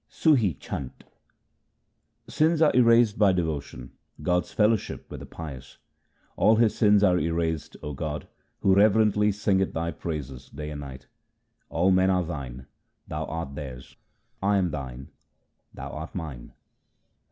Sum Chhant Sins are erased by devotion ; God's fellowship with the pious :— All his sins are erased, O God, who reverently singeth Thy praises day and night. All men are Thine ; Thou art theirs ; I am Thine ; Thou art mine.